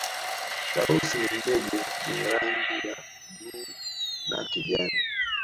tausi ni ndege mwenye rangi ya bluu na kijani